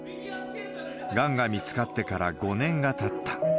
がんが見つかってから５年がたった。